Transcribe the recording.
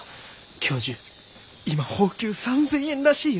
教授今俸給３，０００円らしいよ！